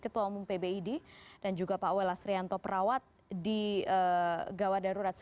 tunggu pak dayo lewat